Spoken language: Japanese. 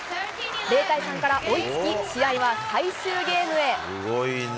０対３から追いつき、試合は最終ゲームへ。